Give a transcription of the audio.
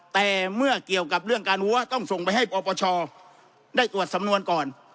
แต่เมื่อเกี่ยวกับเรื่องการหัวต้องส่งไปให้ปปชได้ตรวจสำนวนก่อน